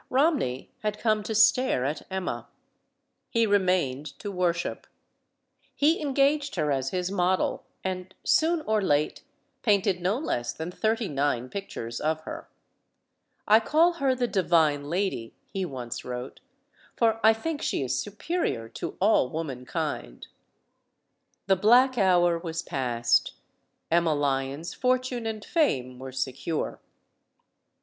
Romney had come to stare at Emma. He remained to worship. He engaged her as his model, and, soon or late, painted no less than thirty nine pictures of her. "I call her 'The Divine Lady,' " he once wrote. "For I think she is superior to all womankind." The black hour was past. Emma Lyon's fortune and fame were secure.